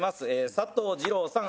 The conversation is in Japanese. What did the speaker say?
佐藤二朗さん